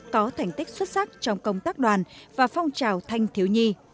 có thành tích xuất sắc trong công tác đoàn và phong trào thanh thiếu nhi